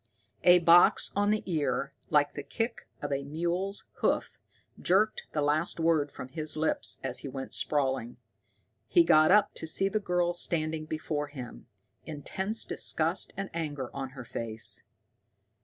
A box on the ear like the kick of a mule's hoof jerked the last word from his lips as he went sprawling. He got up, to see the girl standing before him, intense disgust and anger on her face.